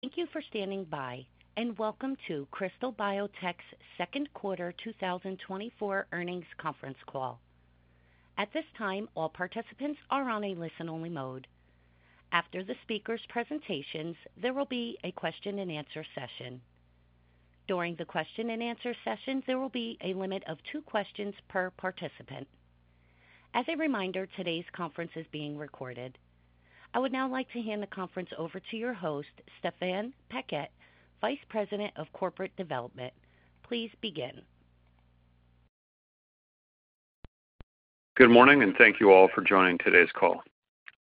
Thank you for standing by, and welcome to Krystal Biotech's Second Quarter 2024 Earnings Conference Call. At this time, all participants are on a listen-only mode. After the speakers' presentations, there will be a Q&A session. During the Q&A session, there will be a limit of two questions per participant. As a reminder, today's conference is being recorded. I would now like to hand the conference over to your host, Stéphane Paquette, Vice President of Corporate Development. Please begin. Good morning, and thank you all for joining today's call.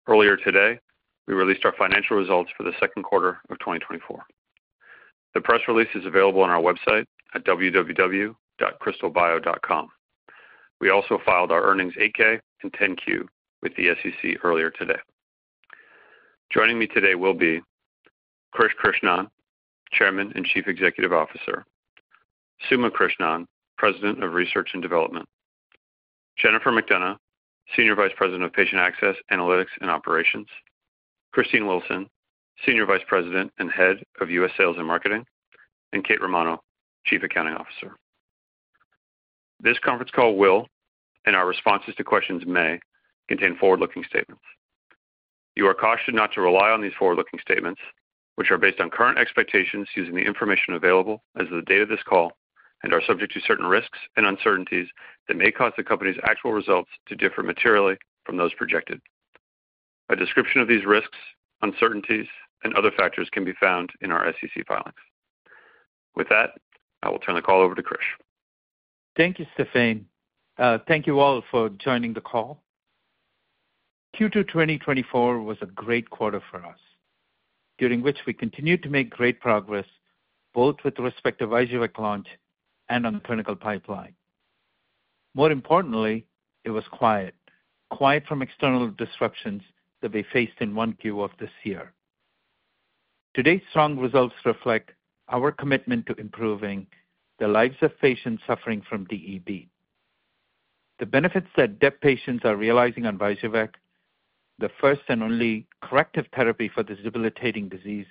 Earlier today, we released our financial results for the second quarter of 2024. The press release is available on our website at www.krystalbio.com. We also filed our earnings 8-K and 10-Q with the SEC earlier today. Joining me today will be Krish Krishnan, Chairman and Chief Executive Officer; Suma Krishnan, President of Research and Development; Jennifer McDonough, Senior Vice President of Patient Access, Analytics and Operations; Christine Wilson, Senior Vice President and Head of U.S. Sales and Marketing; and Kate Romano, Chief Accounting Officer. This conference call will, and our responses to questions may, contain forward-looking statements. You are cautioned not to rely on these forward-looking statements, which are based on current expectations using the information available as of the date of this call and are subject to certain risks and uncertainties that may cause the company's actual results to differ materially from those projected. A description of these risks, uncertainties, and other factors can be found in our SEC filings. With that, I will turn the call over to Krish. Thank you, Stéphane. Thank you all for joining the call. Q2 2024 was a great quarter for us, during which we continued to make great progress, both with respect to VYJUVEK launch and on the clinical pipeline. More importantly, it was quiet. Quiet from external disruptions that we faced in 1Q of this year. Today's strong results reflect our commitment to improving the lives of patients suffering from DEB. The benefits that DEB patients are realizing on VYJUVEK, the first and only corrective therapy for this debilitating disease,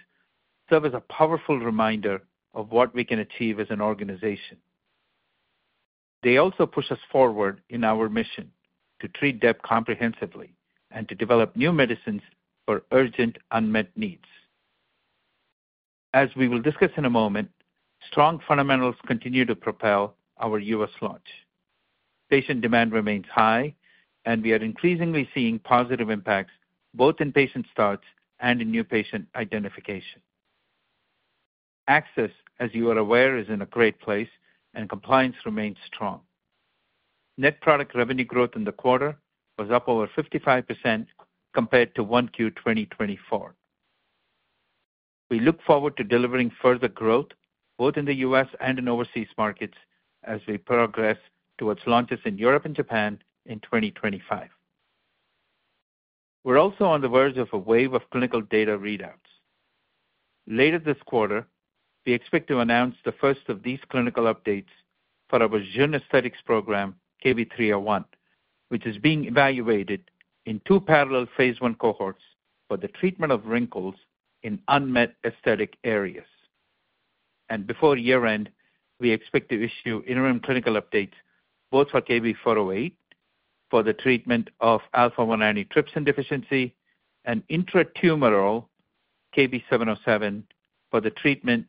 serve as a powerful reminder of what we can achieve as an organization. They also push us forward in our mission to treat DEB comprehensively and to develop new medicines for urgent unmet needs. As we will discuss in a moment, strong fundamentals continue to propel our U.S. launch. Patient demand remains high, and we are increasingly seeing positive impacts both in patient starts and in new patient identification. Access, as you are aware, is in a great place, and compliance remains strong. Net product revenue growth in the quarter was up over 55% compared to Q1 2024. We look forward to delivering further growth both in the U.S. and in overseas markets as we progress towards launches in Europe and Japan in 2025. We're also on the verge of a wave of clinical data readouts. Later this quarter, we expect to announce the first of these clinical updates for our vision aesthetics program, KB301, which is being evaluated in two parallel phase I cohorts for the treatment of wrinkles in unmet aesthetic areas. Before year-end, we expect to issue interim clinical updates both for KB408; for the treatment of alpha-1 antitrypsin deficiency and intratumoral KB707 for the treatment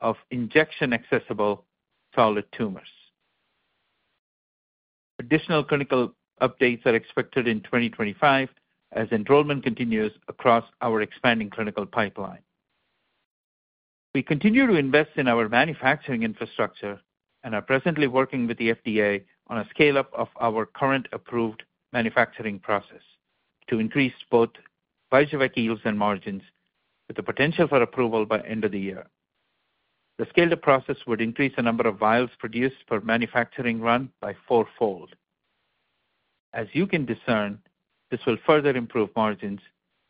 of injection-accessible solid tumors. Additional clinical updates are expected in 2025 as enrollment continues across our expanding clinical pipeline. We continue to invest in our manufacturing infrastructure and are presently working with the FDA on a scale-up of our current approved manufacturing process to increase both VYJUVEK yields and margins, with the potential for approval by end of the year. The scale-up process would increase the number of vials produced per manufacturing run by fourfold. As you can discern, this will further improve margins,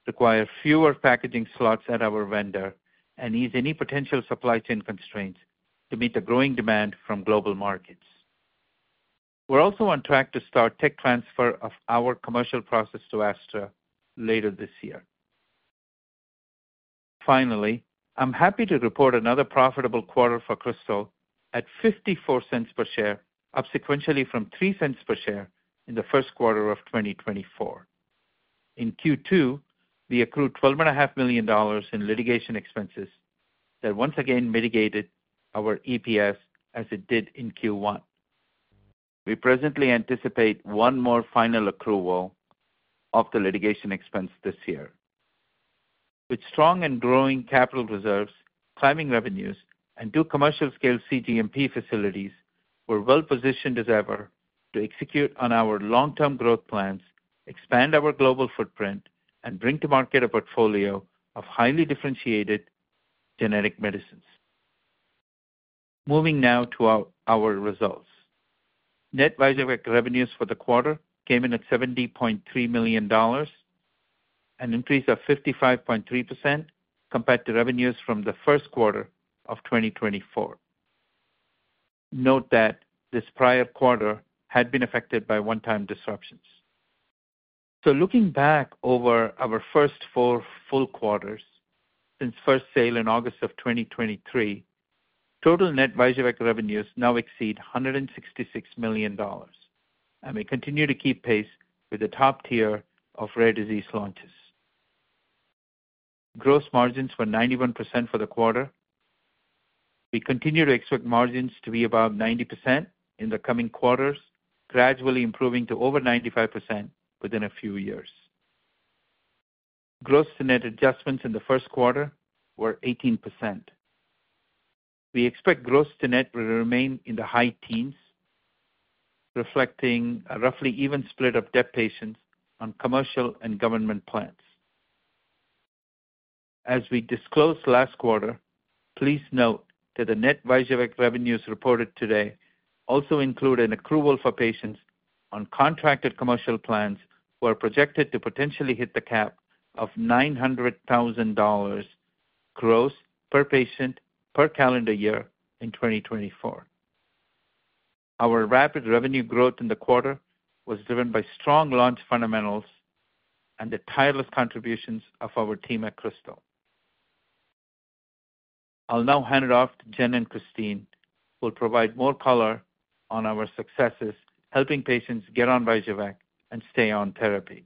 require fewer packaging slots at our vendor, and ease any potential supply chain constraints to meet the growing demand from global markets. We're also on track to start tech transfer of our commercial process to ASTRA later this year. Finally, I'm happy to report another profitable quarter for Krystal at $0.54 per share, up sequentially from $0.03 per share in the first quarter of 2024. In Q2, we accrued $12.5 million in litigation expenses that once again mitigated our EPS as it did in Q1. We presently anticipate one more final accrual of the litigation expense this year. With strong and growing capital reserves, climbing revenues, and two commercial-scale cGMP facilities, we're well positioned as ever to execute on our long-term growth plans, expand our global footprint, and bring to market a portfolio of highly differentiated genetic medicines. Moving now to our results. Net VYJUVEK revenues for the quarter came in at $70.3 million, an increase of 55.3% compared to revenues from the first quarter of 2024. Note that this prior quarter had been affected by one-time disruptions. Looking back over our first four full quarters since first sale in August of 2023, total net VYJUVEK revenues now exceed $166 million, and we continue to keep pace with the top tier of rare disease launches. Gross margins were 91% for the quarter. We continue to expect margins to be above 90% in the coming quarters, gradually improving to over 95% within a few years. Gross-to-net adjustments in the first quarter were 18%. We expect gross-to-net will remain in the high-teens, reflecting a roughly even split of DEB patients on commercial and government plans. As we disclosed last quarter, please note that the net VYJUVEK revenues reported today also include an accrual for patients on contracted commercial plans who are projected to potentially hit the cap of $900,000 gross per patient per calendar year in 2024. Our rapid revenue growth in the quarter was driven by strong launch fundamentals and the tireless contributions of our team at Krystal. I'll now hand it off to Jen and Christine, who will provide more color on our successes, helping patients get on VYJUVEK and stay on therapy.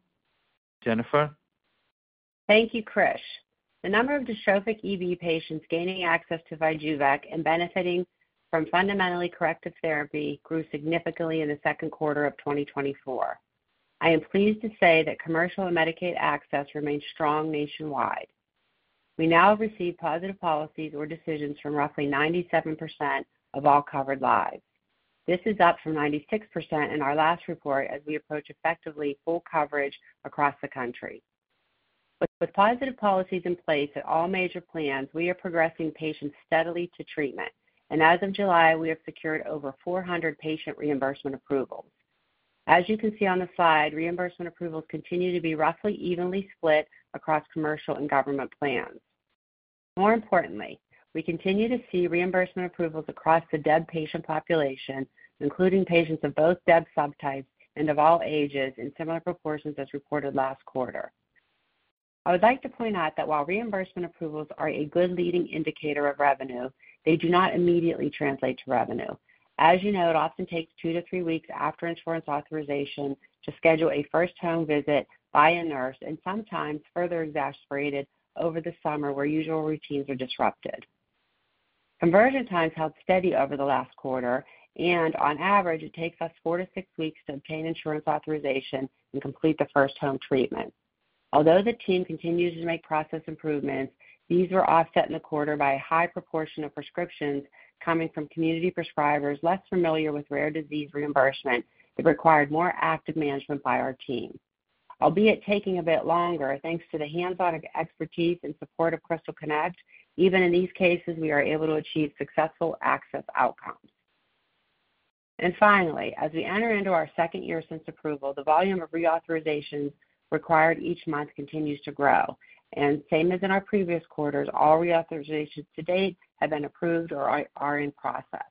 Jennifer? Thank you, Krish. The number of dystrophic EB patients gaining access to VYJUVEK and benefiting from fundamentally corrective therapy grew significantly in the second quarter of 2024. I am pleased to say that commercial and Medicaid access remains strong nationwide. We now have received positive policies or decisions from roughly 97% of all covered lives. This is up from 96% in our last report, as we approach effectively full coverage across the country. But with positive policies in place at all major plans, we are progressing patients steadily to treatment, and as of July, we have secured over 400 patient reimbursement approvals. As you can see on the slide, reimbursement approvals continue to be roughly evenly split across commercial and government plans. More importantly, we continue to see reimbursement approvals across the DEB patient population, including patients of both DEB subtypes and of all ages, in similar proportions as reported last quarter. I would like to point out that while reimbursement approvals are a good leading indicator of revenue, they do not immediately translate to revenue. As you know, it often takes 2-3 weeks after insurance authorization to schedule a first home visit by a nurse and sometimes further exacerbated over the summer, where usual routines are disrupted. Conversion times held steady over the last quarter, and on average, it takes us 4-6 weeks to obtain insurance authorization and complete the first home treatment. Although the team continues to make process improvements, these were offset in the quarter by a high proportion of prescriptions coming from community prescribers less familiar with rare disease reimbursement; it required more active management by our team. Albeit taking a bit longer, thanks to the hands-on expertise and support of Krystal Connect, even in these cases, we are able to achieve successful access outcomes. Finally, as we enter into our second year since approval, the volume of reauthorizations required each month continues to grow, and same as in our previous quarters, all reauthorizations to date have been approved or are, are in process.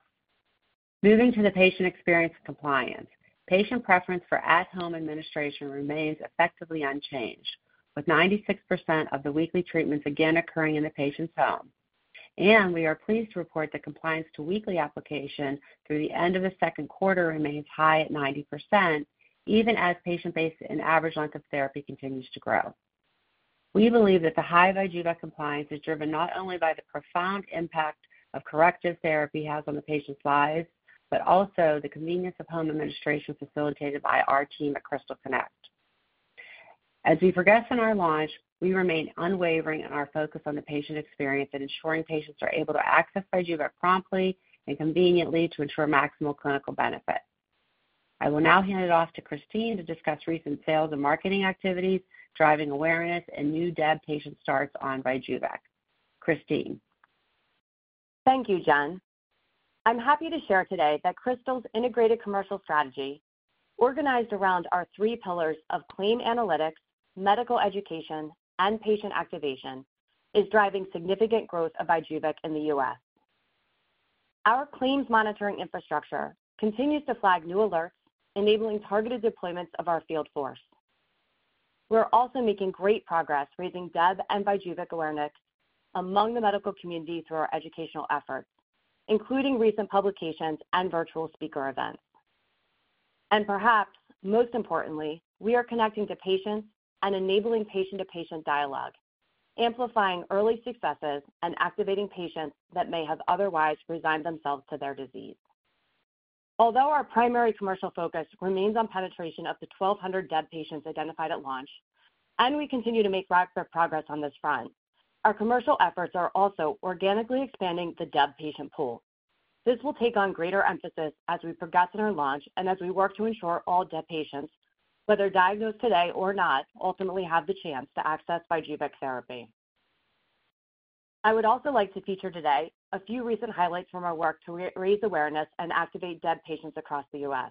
Moving to the patient experience and compliance. Patient preference for at-home administration remains effectively unchanged, with 96% of the weekly treatments again occurring in the patient's home. We are pleased to report that compliance to weekly application through the end of the second quarter remains high at 90%, even as patient base and average length of therapy continues to grow. We believe that the high VYJUVEK compliance is driven not only by the profound impact of corrective therapy has on the patients' lives, but also the convenience of home administration facilitated by our team at Krystal Connect. As we progress in our launch, we remain unwavering in our focus on the patient experience and ensuring patients are able to access VYJUVEK promptly and conveniently to ensure maximal clinical benefit. I will now hand it off to Christine to discuss recent sales and marketing activities, driving awareness and new DEB patient starts on VYJUVEK. Christine? Thank you, Jen. I'm happy to share today that Krystal's integrated commercial strategy, organized around our three pillars of claim analytics, medical education, and patient activation, is driving significant growth of VYJUVEK in the U.S. Our claims monitoring infrastructure continues to flag new alerts, enabling targeted deployments of our field force. We're also making great progress raising DEB and VYJUVEK awareness among the medical community through our educational efforts, including recent publications and virtual speaker events. And perhaps most importantly, we are connecting to patients and enabling patient-to-patient dialogue, amplifying early successes and activating patients that may have otherwise resigned themselves to their disease. Although our primary commercial focus remains on penetration of the 1,200 DEB patients identified at launch, and we continue to make rapid progress on this front, our commercial efforts are also organically expanding the DEB patient pool. This will take on greater emphasis as we progress in our launch and as we work to ensure all DEB patients, whether diagnosed today or not, ultimately have the chance to access VYJUVEK therapy. I would also like to feature today a few recent highlights from our work to raise awareness and activate DEB patients across the U.S..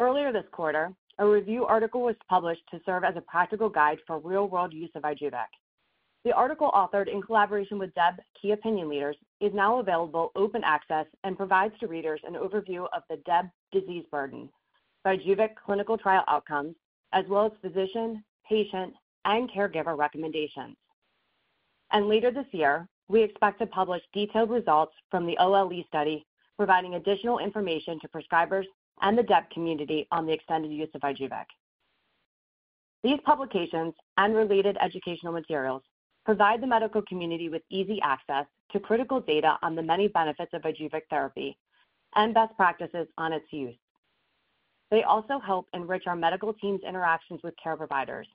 Earlier this quarter, a review article was published to serve as a practical guide for real-world use of VYJUVEK. The article, authored in collaboration with DEB key opinion leaders, is now available open access and provides to readers an overview of the DEB disease burden, VYJUVEK clinical trial outcomes, as well as physician, patient, and caregiver recommendations. Later this year, we expect to publish detailed results from the OLE study, providing additional information to prescribers and the DEB community on the extended use of VYJUVEK. These publications and related educational materials provide the medical community with easy access to critical data on the many benefits of VYJUVEK therapy and best practices on its use. They also help enrich our medical teams' interactions with care providers,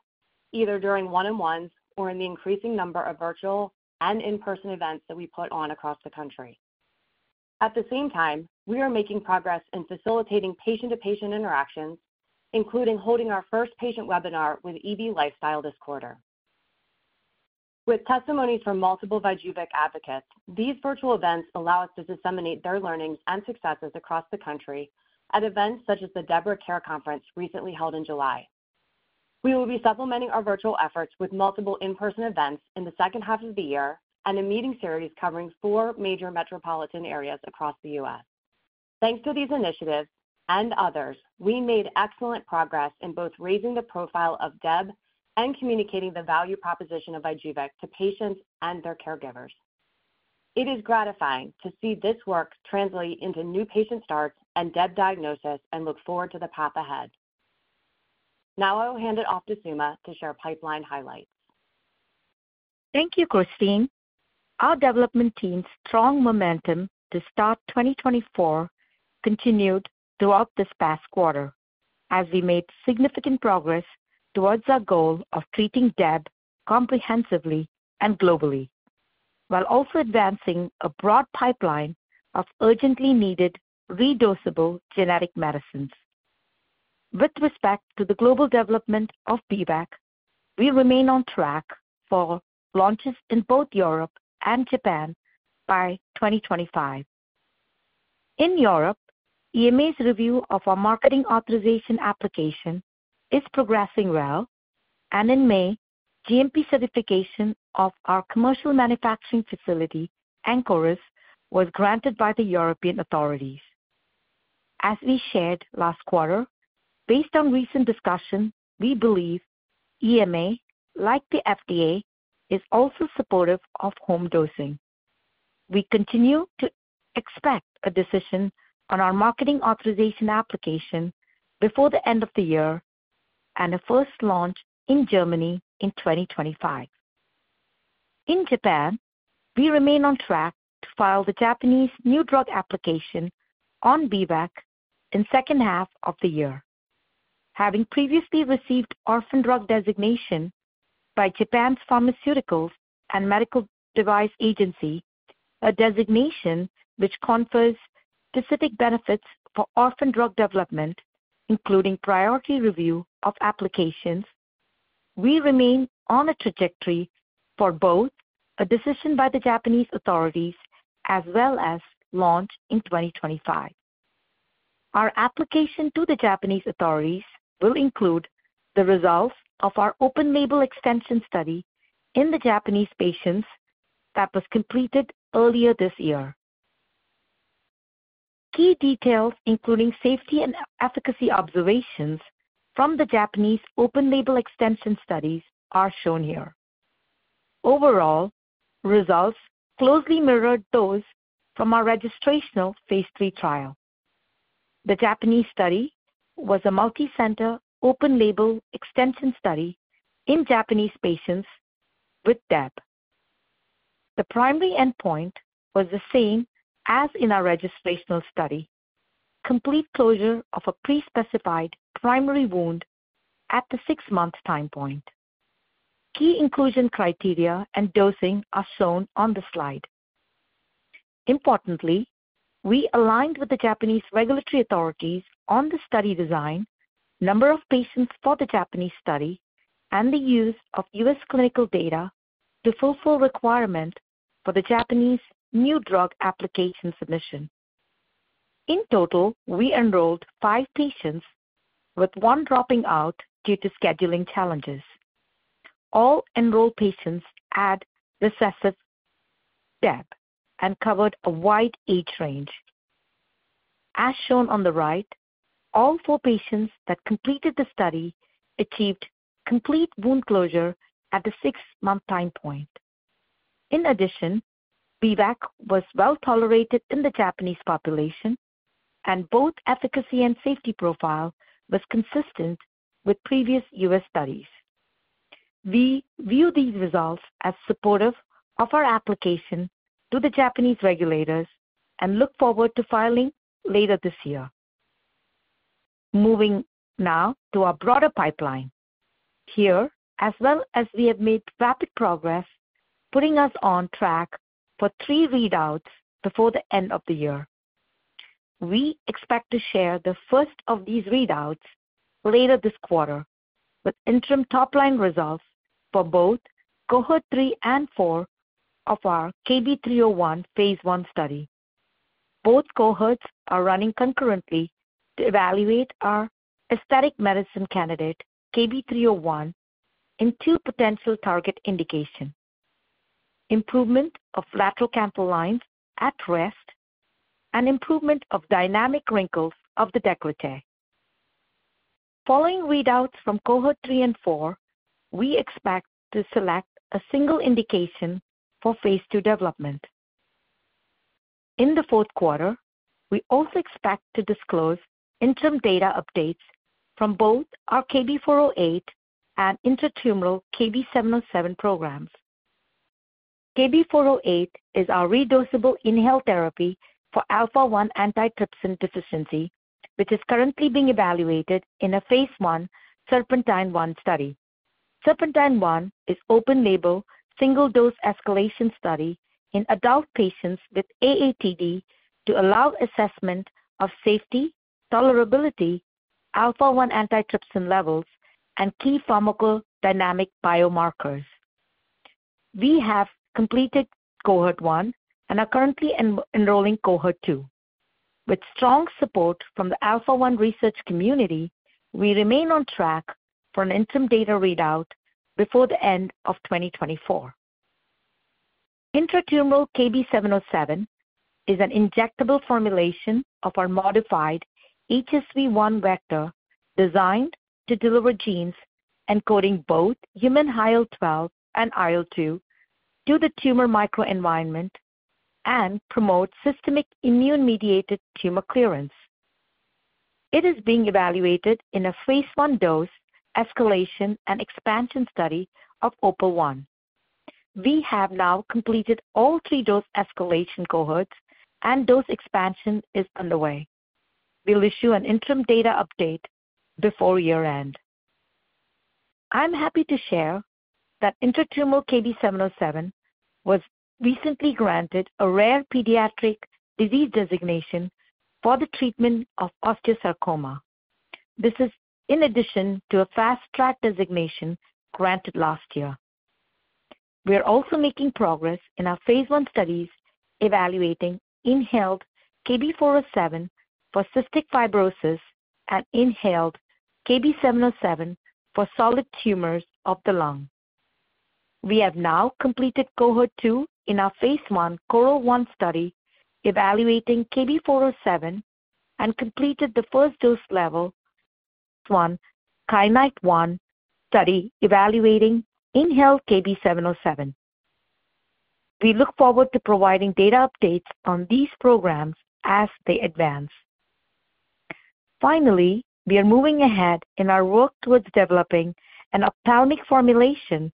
either during one-on-ones or in the increasing number of virtual and in-person events that we put on across the country. At the same time, we are making progress in facilitating patient-to-patient interactions, including holding our first patient webinar with EB Lifestyle this quarter. With testimonies from multiple VYJUVEK advocates, these virtual events allow us to disseminate their learnings and successes across the country at events such as the DEBRA Care Conference, recently held in July. We will be supplementing our virtual efforts with multiple in-person events in the second half of the year and a meeting series covering four major metropolitan areas across the U.S.. Thanks to these initiatives and others, we made excellent progress in both raising the profile of DEB and communicating the value proposition of VYJUVEK to patients and their caregivers. It is gratifying to see this work translate into new patient starts and DEB diagnosis, and look forward to the path ahead. Now I will hand it off to Suma to share pipeline highlights. Thank you, Christine. Our development team's strong momentum to start 2024 continued throughout this past quarter, as we made significant progress towards our goal of treating DEB comprehensively and globally, while also advancing a broad pipeline of urgently needed redosable genetic medicines. With respect to the global development of B-VEC, we remain on track for launches in both Europe and Japan by 2025. In Europe, EMA's review of our Marketing Authorization Application is progressing well, and in May, cGMP certification of our commercial manufacturing facility, Ancoris, was granted by the European authorities. As we shared last quarter, based on recent discussions, we believe EMA, like the FDA, is also supportive of home dosing. We continue to expect a decision on our Marketing Authorization Application before the end of the year and a first launch in Germany in 2025. In Japan, we remain on track to file the Japanese New Drug Application on VYJUVEK in the second half of the year. Having previously received Orphan Drug designation by Japan's Pharmaceuticals and Medical Devices Agency, a designation which confers specific benefits for Orphan Drug development, including priority review of applications, we remain on a trajectory for both a decision by the Japanese authorities as well as launch in 2025. Our application to the Japanese authorities will include the results of our open-label extension study in the Japanese patients that was completed earlier this year. Key details, including safety and efficacy observations from the Japanese open-label extension studies, are shown here. Overall, results closely mirrored those from our registrational phase three trial. The Japanese study was a multicenter, open-label extension study in Japanese patients with DEB. The primary endpoint was the same as in our registrational study: complete closure of a pre-specified primary wound at the six-month time point. Key inclusion criteria and dosing are shown on the slide. Importantly, we aligned with the Japanese regulatory authorities on the study design, number of patients for the Japanese study, and the use of U.S. clinical data to fulfill requirement for the Japanese New Drug Application submission. In total, we enrolled five patients, with one dropping out due to scheduling challenges. All enrolled patients had recessive DEB and covered a wide age range. As shown on the right, all four patients that completed the study achieved complete wound closure at the six-month time point. In addition, B-VEC was well tolerated in the Japanese population, and both efficacy and safety profile was consistent with previous U.S. studies. We view these results as supportive of our application to the Japanese regulators and look forward to filing later this year. Moving now to our broader pipeline. Here, as well as we have made rapid progress, putting us on track for three readouts before the end of the year. We expect to share the first of these readouts later this quarter, with interim top-line results for both Cohort 3 and 4 of our KB301 phase I study. Both cohorts are running concurrently to evaluate our aesthetic medicine candidate, KB301, in two potential target indications: improvement of lateral canthal lines at rest and improvement of dynamic wrinkles of the décolleté. Following readouts from Cohort 3 and 4, we expect to select a single indication for phase II development. In the fourth quarter, we also expect to disclose interim data updates from both our KB408 and intratumoral KB707 programs. KB408 is our redosable inhaled therapy for alpha-1 antitrypsin deficiency, which is currently being evaluated in a phase I SERPENTINE-1 study. SERPENTINE-1 is open-label, single-dose escalation study in adult patients with AATD to allow assessment of safety, tolerability, alpha-1 antitrypsin levels, and key pharmacodynamic biomarkers. We have completed Cohort 1 and are currently enrolling Cohort 2. With strong support from the alpha-1 research community, we remain on track for an interim data readout before the end of 2024. Intratumoral KB707 is an injectable formulation of our modified HSV-1 vector, designed to deliver genes encoding both human IL-12 and IL-2 to the tumor microenvironment and promote systemic immune-mediated tumor clearance. It is being evaluated in a phase I dose escalation and expansion study of OPAL-1. We have now completed all 3 dose escalation cohorts, and dose expansion is underway. We'll issue an interim data update before year-end. I'm happy to share that intratumoral KB707 was recently granted a Rare Pediatric Disease Designation for the treatment of osteosarcoma. This is in addition to a Fast Track designation granted last year. We are also making progress in our phase I studies, evaluating inhaled KB407 for cystic fibrosis and inhaled KB707 for solid tumors of the lung. We have now completed Cohort 2 in our phase I CORAL-1 study, evaluating KB407, and completed the first dose level 1, KYANITE-1 study, evaluating inhaled KB707. We look forward to providing data updates on these programs as they advance. Finally, we are moving ahead in our work towards developing an ophthalmic formulation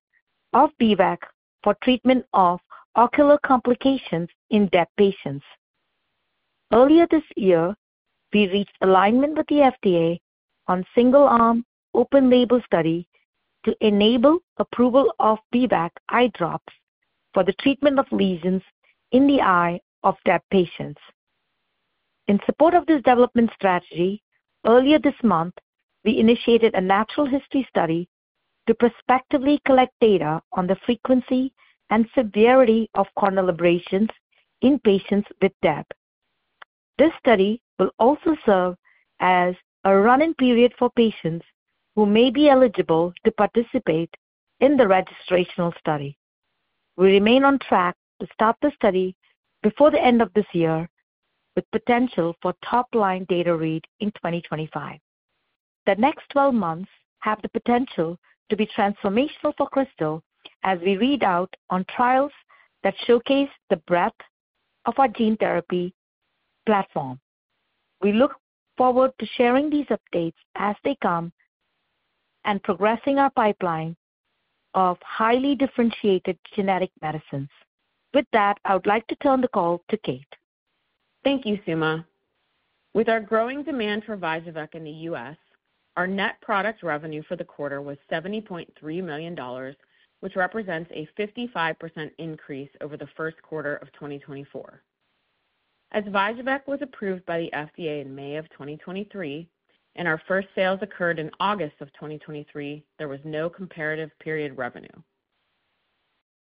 of B-VEC for treatment of ocular complications in DEB patients. Earlier this year, we reached alignment with the FDA on single-arm, open-label study to enable approval of B-VEC eye drops for the treatment of lesions in the eye of DEB patients. In support of this development strategy, earlier this month, we initiated a natural history study to prospectively collect data on the frequency and severity of corneal abrasions in patients with DEB. This study will also serve as a run-in period for patients who may be eligible to participate in the registrational study. We remain on track to start the study before the end of this year, with potential for top-line data read in 2025. The next 12 months have the potential to be transformational for Krystal as we read out on trials that showcase the breadth of our gene therapy platform. We look forward to sharing these updates as they come and progressing our pipeline of highly differentiated genetic medicines. With that, I would like to turn the call to Kate. Thank you, Suma. With our growing demand for VYJUVEK in the U.S., our net product revenue for the quarter was $70.3 million, which represents a 55% increase over the first quarter of 2024. As VYJUVEK was approved by the FDA in May of 2023, and our first sales occurred in August of 2023, there was no comparative period revenue.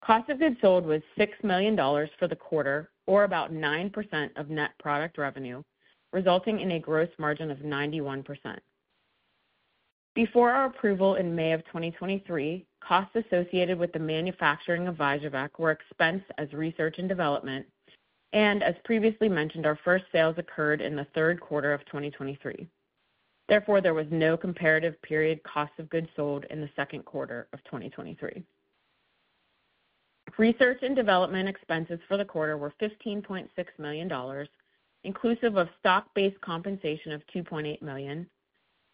Cost of goods sold was $6 million for the quarter, or about 9% of net product revenue, resulting in a gross margin of 91%. Before our approval in May of 2023, costs associated with the manufacturing of VYJUVEK were expensed as R&D, and as previously mentioned, our first sales occurred in the third quarter of 2023. Therefore, there was no comparative period cost of goods sold in the second quarter of 2023. R&D expenses for the quarter were $15.6 million, inclusive of stock-based compensation of $2.8 million,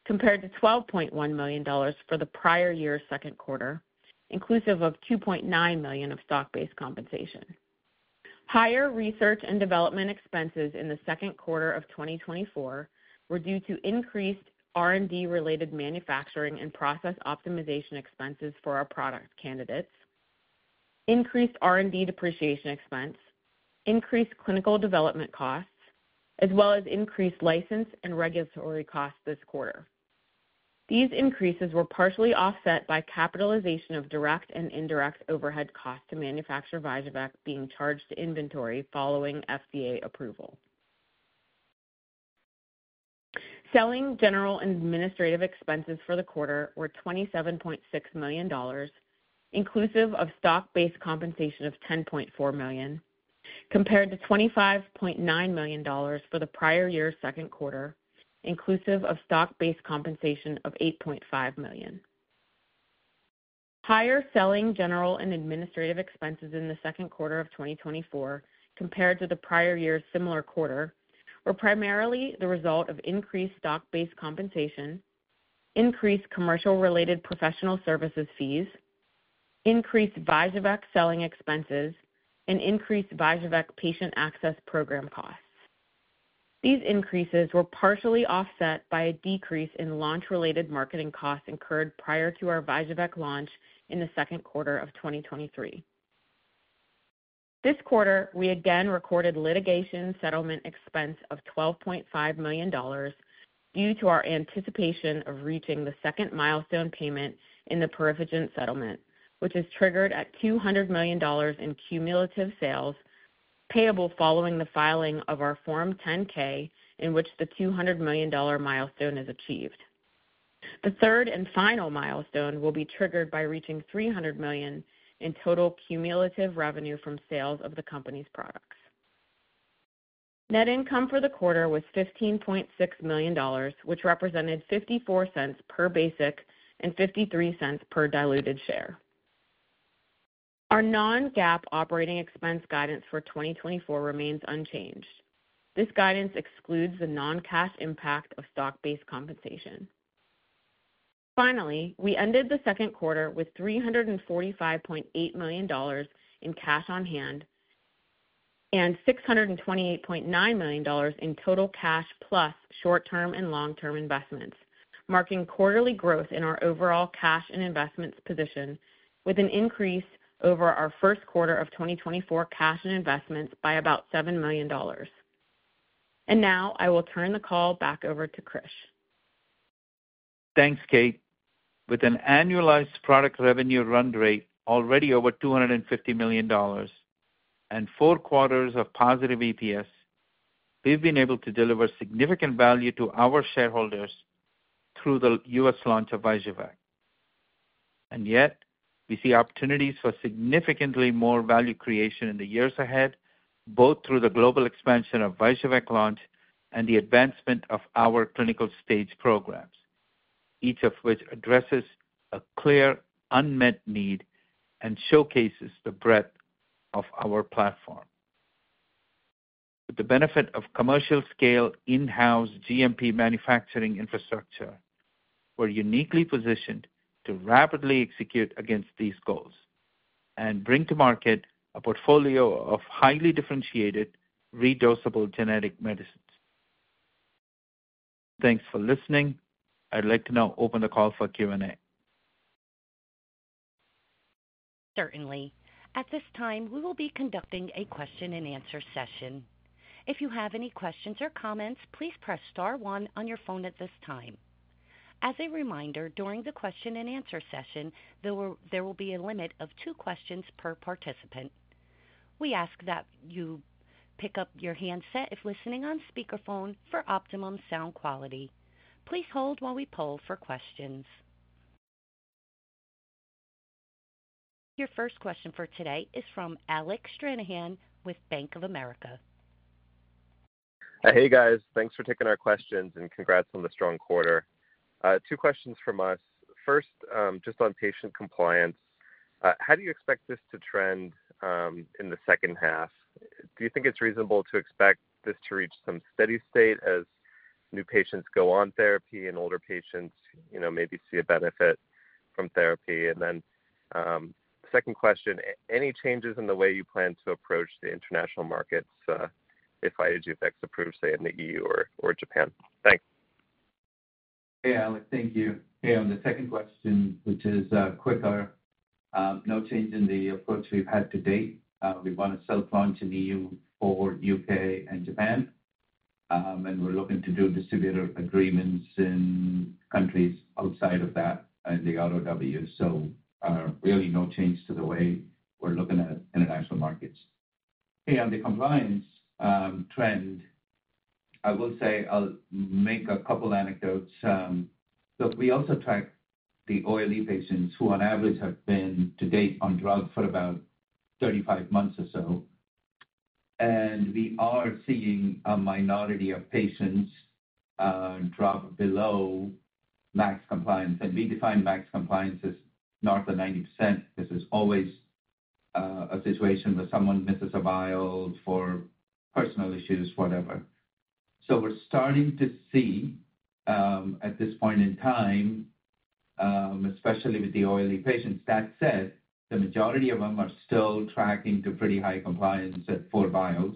compared to $12.1 million for the prior year's second quarter, inclusive of $2.9 million of stock-based compensation. Higher R&D expenses in the second quarter of 2024 were due to increased R&D-related manufacturing and process optimization expenses for our product candidates, increased R&D depreciation expense, increased clinical development costs, as well as increased license and regulatory costs this quarter. These increases were partially offset by capitalization of direct and indirect overhead costs to manufacture VYJUVEK being charged to inventory following FDA approval. Selling general and administrative expenses for the quarter were $27.6 million, inclusive of stock-based compensation of $10.4 million, compared to $25.9 million for the prior year's second quarter, inclusive of stock-based compensation of $8.5 million. Higher selling general and administrative expenses in the second quarter of 2024 compared to the prior year's similar quarter, were primarily the result of increased stock-based compensation, increased commercial-related professional services fees, increased VYJUVEK selling expenses, and increased VYJUVEK patient access program costs. These increases were partially offset by a decrease in launch-related marketing costs incurred prior to our VYJUVEK launch in the second quarter of 2023. This quarter, we again recorded litigation settlement expense of $12.5 million due to our anticipation of reaching the second milestone payment in the PeriphaGen settlement, which is triggered at $200 million in cumulative sales, payable following the filing of our Form 10-K, in which the $200 million milestone is achieved. The third and final milestone will be triggered by reaching $300 million in total cumulative revenue from sales of the company's products. Net income for the quarter was $15.6 million, which represented $0.54 per basic and $0.53 per diluted share. Our non-GAAP operating expense guidance for 2024 remains unchanged. This guidance excludes the non-cash impact of stock-based compensation. Finally, we ended the second quarter with $345.8 million in cash on hand and $628.9 million in total cash, plus short-term and long-term investments, marking quarterly growth in our overall cash and investments position with an increase over our first quarter of 2024 cash and investments by about $7 million. Now I will turn the call back over to Krish. Thanks, Kate. With an annualized product revenue run rate already over $250 million and four quarters of positive EPS, we've been able to deliver significant value to our shareholders through the U.S. launch of VYJUVEK. And yet we see opportunities for significantly more value creation in the years ahead, both through the global expansion of VYJUVEK launch and the advancement of our clinical stage programs, each of which addresses a clear unmet need and showcases the breadth of our platform. With the benefit of commercial scale in-house GMP manufacturing infrastructure, we're uniquely positioned to rapidly execute against these goals and bring to market a portfolio of highly differentiated, redosable genetic medicines. Thanks for listening. I'd like to now open the call for Q&A. Certainly. At this time, we will be conducting a Q&A session. If you have any questions or comments, please press star one on your phone at this time. As a reminder, during the Q&A session, there will be a limit of two questions per participant. We ask that you pick up your handset if listening on speakerphone for optimum sound quality. Please hold while we poll for questions. Your first question for today is from Alec Stranahan with Bank of America. Hey, guys. Thanks for taking our questions, and congrats on the strong quarter. Two questions from us. First, just on patient compliance, how do you expect this to trend in the second half? Do you think it's reasonable to expect this to reach some steady state as new patients go on therapy and older patients, you know, maybe see a benefit from therapy? And then, second question, any changes in the way you plan to approach the international markets, if VYJUVEK is approved, say, in the EU or Japan? Thanks. Hey, Alec. Thank you. Hey, on the second question, which is, quicker, no change in the approach we've had to date. We want to self-launch in EU or UK and Japan, and we're looking to do distributor agreements in countries outside of that and the ROW. So, really no change to the way we're looking at international markets. Hey, on the compliance trend, I will say I'll make a couple anecdotes. Look, we also track the OLE patients, who on average have been to date on drug for about 35 months or so, and we are seeing a minority of patients drop below max compliance. And we define max compliance as north of 90%, because there's always a situation where someone misses a vial for personal issues, whatever. So we're starting to see, at this point in time, especially with the OLE patients. That said, the majority of them are still tracking to pretty high compliance at four vials,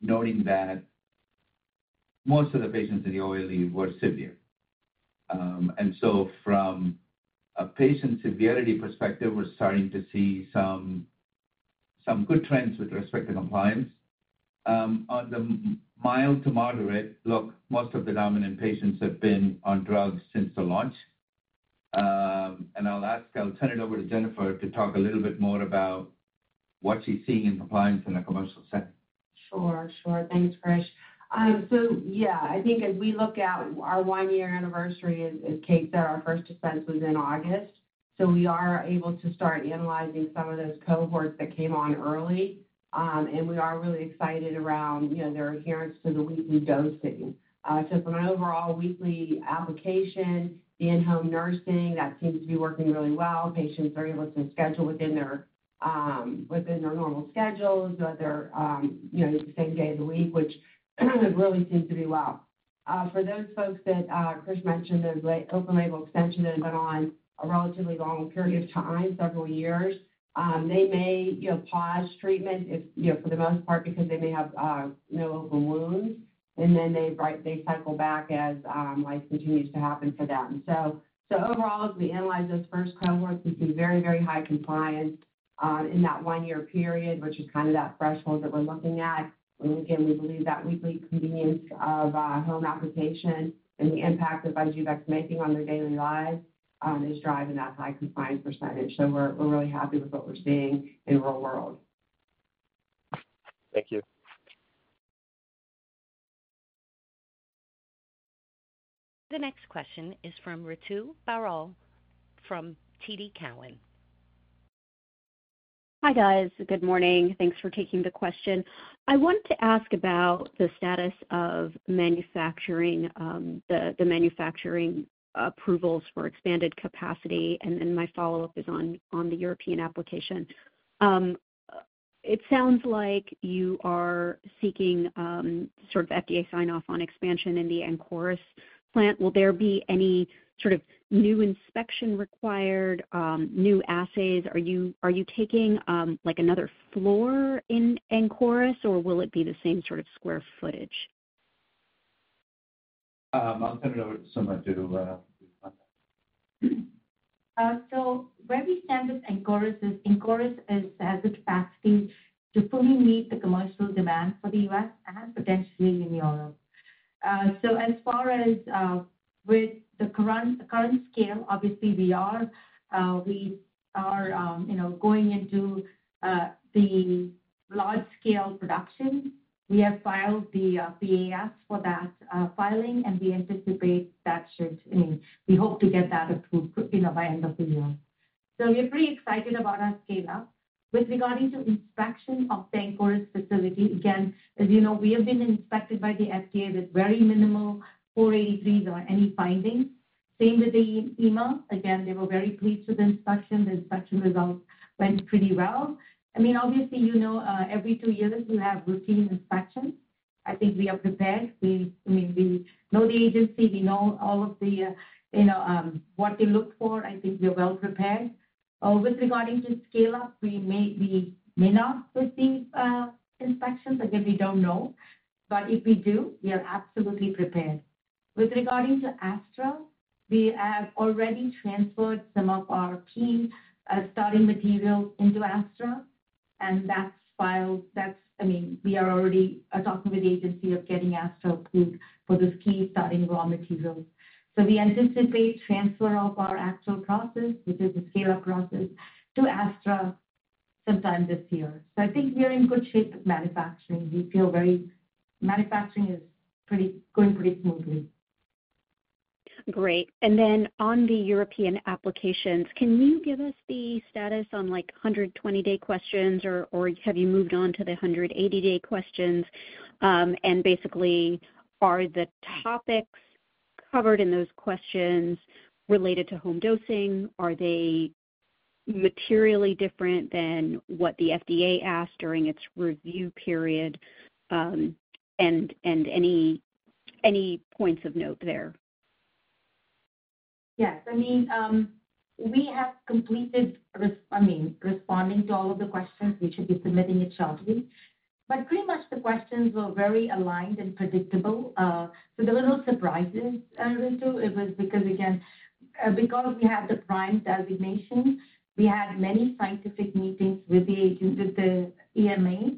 noting that most of the patients in the OLE were severe. And so from a patient severity perspective, we're starting to see some good trends with respect to compliance. On the mild to moderate, look, most of the dominant patients have been on drugs since the launch. And I'll turn it over to Jennifer to talk a little bit more about what she's seeing in compliance in a commercial setting. Sure, sure. Thanks, Krish. So yeah, I think as we look out, our one-year anniversary is just around the corner. Our first dispense was in August, so we are able to start analyzing some of those cohorts that came on early. And we are really excited around, you know, their adherence to the weekly dosing. So from an overall weekly application, the in-home nursing, that seems to be working really well. Patients are able to schedule within their, within their normal schedules, whether, you know, it's the same day of the week, which really seems to do well. For those folks that Krish mentioned, those open-label extension have been on a relatively long period of time, several years, they may, you know, pause treatment if, you know, for the most part, because they may have no open wounds, and then they write, they cycle back as life continues to happen for them. So overall, as we analyze those first cohorts, we see very, very high compliance in that one-year period, which is kind of that threshold that we're looking at. And again, we believe that weekly convenience of home application and the impact of VYJUVEK making on their daily lives is driving that high compliance percentage. So we're really happy with what we're seeing in real world. Thank you. The next question is from Ritu Baral, from TD Cowen. Hi, guys. Good morning. Thanks for taking the question. I want to ask about the status of manufacturing, the manufacturing approvals for expanded capacity, and then my follow-up is on the European application. It sounds like you are seeking sort of FDA sign-off on expansion in the Ancoris plant. Will there be any sort of new inspection required, new assays? Are you taking, like, another floor in Ancoris, or will it be the same sort of square footage? I'll turn it over to Suma to... So where we stand with Ancoris is, Ancoris has the capacity to fully meet the commercial demand for the U.S. and potentially in Europe. So as far as with the current scale, obviously we are, you know, going into the large scale production. We have filed the PAS for that filing, and we anticipate that should, I mean, we hope to get that approved, you know, by end of the year. So we're pretty excited about our scale up. With regard to inspection of the Ancoris facility, again, as you know, we have been inspected by the FDA with very minimal 483 or any findings. Same with the EMA. Again, they were very pleased with the inspection. The inspection results went pretty well. I mean, obviously, you know, every two years we have routine inspections. I think we are prepared. We, I mean, we know the agency, we know all of the, you know, what they look for. I think we are well prepared. With regard to scale up, we may, we may not receive inspections. Again, we don't know. But if we do, we are absolutely prepared. With regard to ASTRA, we have already transferred some of our key starting materials into ASTRA, and that's filed. That's. I mean, we are already talking with the agency of getting ASTRA approved for those key starting raw materials. So we anticipate transfer of our ASTRA process, which is the scale-up process, to ASTRA sometime this year. So I think we are in good shape with manufacturing. We feel very... Manufacturing is pretty, going pretty smoothly. Great. Then on the European applications, can you give us the status on, like, 120-day questions, or have you moved on to the 180-day questions? And basically, are the topics covered in those questions related to home dosing? Are they materially different than what the FDA asked during its review period? And any points of note there? Yes. I mean, we have completed responding to all of the questions. We should be submitting it shortly. Pretty much the questions were very aligned and predictable. There were no surprises, Ritu, it was because, again, because we have the PRIME designation, we had many scientific meetings with the agency, with the EMA.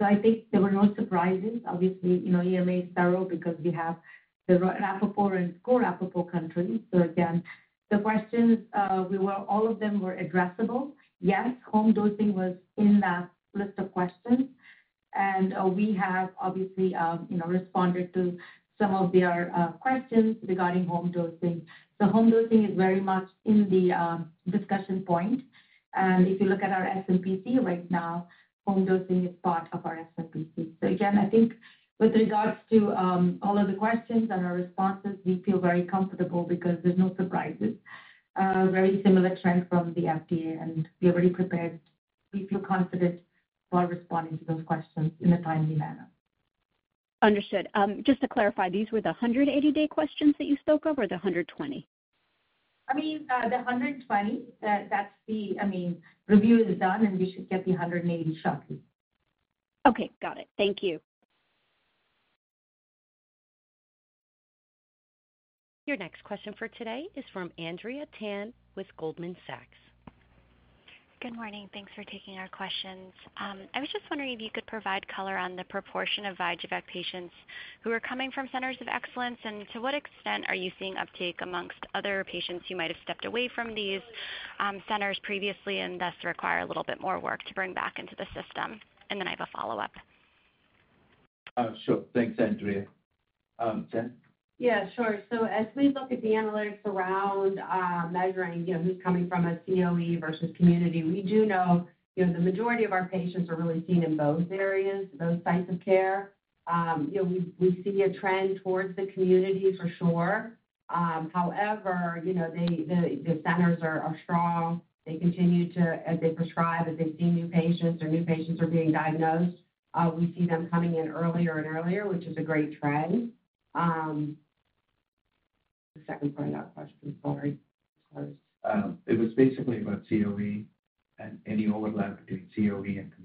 I think there were no surprises. Obviously, you know, EMA is thorough because we have the rapporteur and co-rapporteur countries. Again, the questions, we were—all of them were addressable. Yes, home dosing was in that list of questions, and we have obviously, you know, responded to some of their questions regarding home dosing. Home dosing is very much in the discussion point. If you look at our SmPC right now, home dosing is part of our SmPC. Again, I think with regards to all of the questions and our responses, we feel very comfortable because there's no surprises. Very similar trend from the FDA, and we are very prepared. We feel confident while responding to those questions in a timely manner. Understood. Just to clarify, these were the 180-day questions that you spoke of, or the 120? I mean, the 120. That, that's the, I mean, review is done, and we should get the 180 shortly. Okay, got it. Thank you. Your next question for today is from Andrea Tan with Goldman Sachs. Good morning. Thanks for taking our questions. I was just wondering if you could provide color on the proportion of VYJUVEK patients who are coming from centers of excellence, and to what extent are you seeing uptake amongst other patients who might have stepped away from these centers previously and thus require a little bit more work to bring back into the system? And then I have a follow-up. Sure. Thanks, Andrea. Jen? Yeah, sure. So as we look at the analytics around measuring, you know, who's coming from a CoE versus community, we do know, you know, the majority of our patients are really seen in both areas, both sites of care. You know, we see a trend towards the community for sure. However, you know, the centers are strong. They continue to as they prescribe, as they see new patients or new patients are being diagnosed, we see them coming in earlier and earlier, which is a great trend. Second part of that question, sorry. It was basically about CoE and any overlap between CoE and community.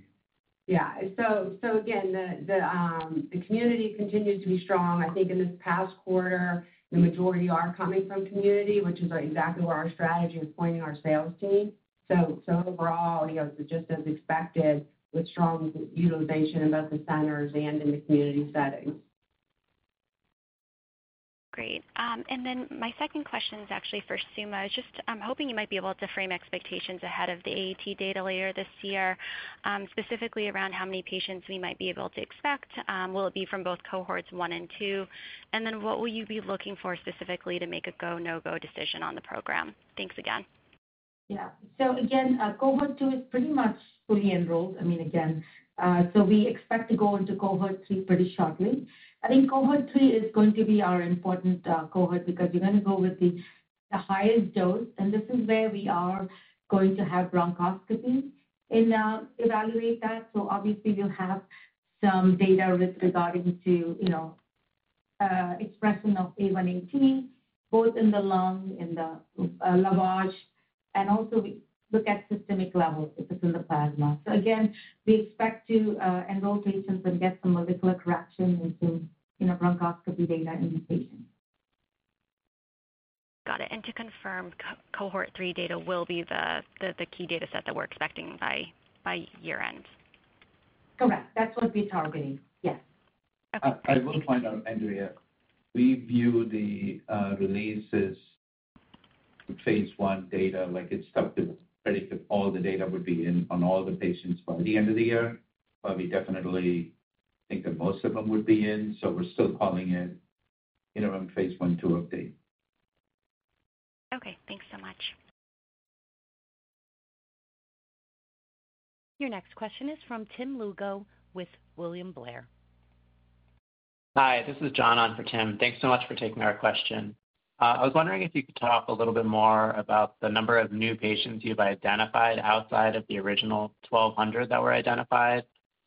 Yeah. So again, the community continues to be strong. I think in this past quarter, the majority are coming from community, which is exactly where our strategy is pointing our sales team. So overall, you know, just as expected, with strong utilization in both the centers and in the community settings. Great. And then my second question is actually for Suma. I was just hoping you might be able to frame expectations ahead of the AAT data later this year, specifically around how many patients we might be able to expect. Will it be from both Cohorts 1 and 2? And then what will you be looking for specifically to make a go, no-go decision on the program? Thanks again. Yeah. So again, cohort two is pretty much fully enrolled. I mean, again, so we expect to go into Cohort 3 pretty shortly. I think Cohort 3 is going to be our important cohort because we're gonna go with the, the highest dose, and this is where we are going to have bronchoscopy and evaluate that. So obviously, we'll have some data with regard to, you know, expression of alpha-1 antitrypsin, both in the lung, in the lavage, and also we look at systemic levels if it's in the plasma. So again, we expect to enroll patients and get some molecular direction into, you know, bronchoscopy data in the patient. Got it. And to confirm, Cohort 3 data will be the key data set that we're expecting by year end? Correct. That's what we're targeting. Yes. I will point out, Andrea, we view the releases from phase I data, like, it's tough to predict if all the data would be in on all the patients by the end of the year. But we definitely think that most of them would be in, so we're still calling it interim phase I/II update. Okay, thanks so much. Your next question is from Tim Lugo with William Blair. Hi, this is John on for Tim. Thanks so much for taking our question. I was wondering if you could talk a little bit more about the number of new patients you've identified outside of the original 1,200 that were identified,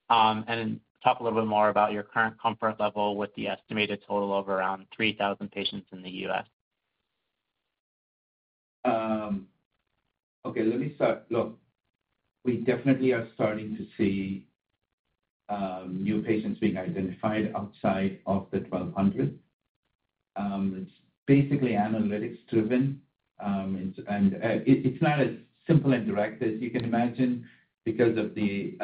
and talk a little bit more about your current comfort level with the estimated total of around 3,000 patients in the U.S.? Okay, let me start. Look, we definitely are starting to see new patients being identified outside of the 1,200. It's basically analytics driven. And it, it's not as simple and direct as you can imagine because of the,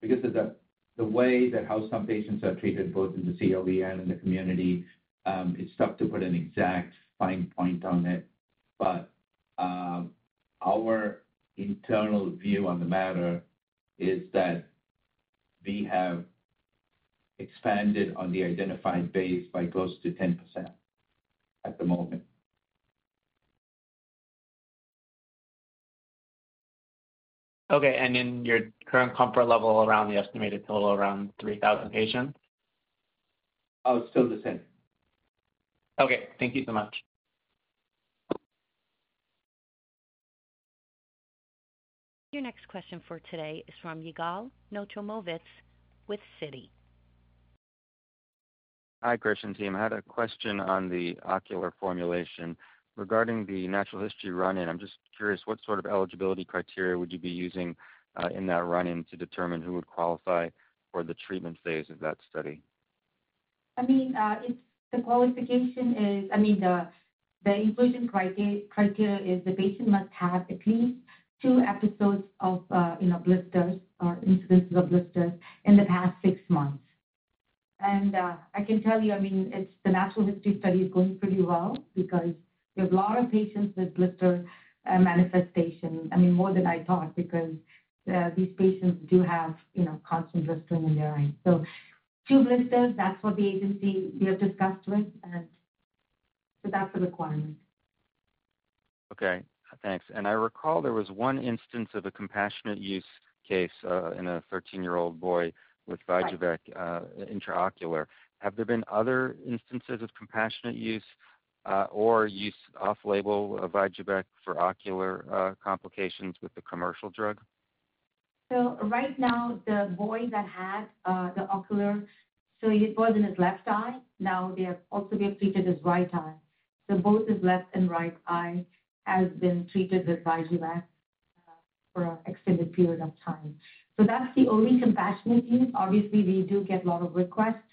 because of the, the way that how some patients are treated, both in the CoE and in the community. It's tough to put an exact fine point on it. But our internal view on the matter is that we have expanded on the identified base by close to 10% at the moment. Okay. And in your current comfort level, around the estimated total around 3,000 patients? Oh, it's still the same. Okay. Thank you so much. Your next question for today is from Yigal Nochomovitz with Citi. Hi, Greetings team. I had a question on the ocular formulation. Regarding the natural history run-in, I'm just curious, what sort of eligibility criteria would you be using, in that run-in to determine who would qualify for the treatment phase of that study? I mean, the qualification is, I mean, the inclusion criteria is the patient must have at least two episodes of, you know, blisters or incidences of blisters in the past six months. And I can tell you, I mean, it's the natural history study is going pretty well because there's a lot of patients with blister manifestation. I mean, more than I thought, because these patients do have, you know, constant blistering in their eyes. So two blisters, that's what the agency we have discussed with, and so that's a requirement. Okay, thanks. And I recall there was one instance of a compassionate use case, in a 13-year-old boy with VYJUVEK, intraocular. Have there been other instances of compassionate use, or use off-label of VYJUVEK for ocular, complications with the commercial drug? So right now, the boy that had the ocular, so it was in his left eye. Now, they have also been treated his right eye. So both his left and right eye has been treated with VYJUVEK for an extended period of time. So that's the only compassionate use. Obviously, we do get a lot of requests,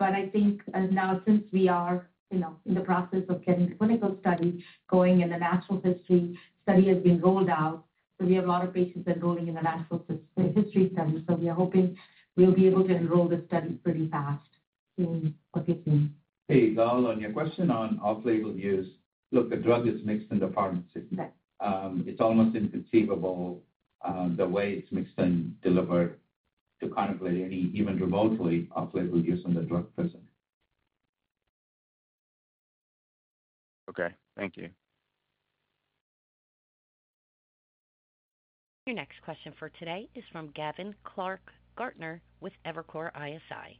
but I think now since we are, you know, in the process of getting the clinical study going, and the natural history study has been rolled out, so we have a lot of patients enrolling in the natural history study. So we are hoping we'll be able to enroll the study pretty fast in a few months. Hey, Yigal, on your question on off-label use, look, the drug is mixed in the pharmacy; Right. It's almost inconceivable, the way it's mixed and delivered to contemplate any, even remotely off-label use on the drug present. Okay, thank you. Your next question for today is from Gavin Clark-Gartner with Evercore ISI.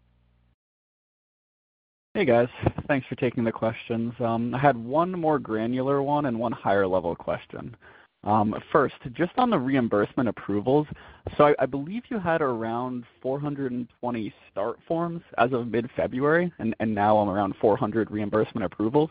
Hey, guys. Thanks for taking the questions. I had one more granular one and one higher level question. First, just on the reimbursement approvals. So I believe you had around 420 start forms as of mid-February, and now around 400 reimbursement approvals.